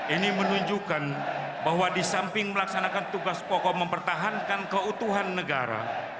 ini menunjukkan bahwa di samping melaksanakan tugas pokok mempertahankan keutuhan negara